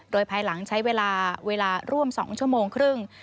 โดยภายหลังใช้เวลาเวลาร่วม๒ชั่วโมงครึ่ง